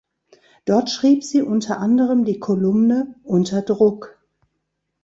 Dort schrieb sie unter anderem die Kolumne „Unter Druck“.